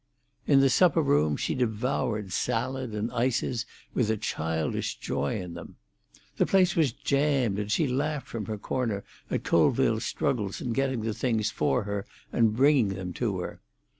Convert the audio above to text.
In the supper room she devoured salad and ices with a childish joy in them. The place was jammed, and she laughed from her corner at Colville's struggles in getting the things for her and bringing them to her.